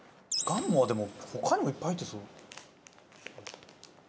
がんもはでも他にもいっぱい入ってそう。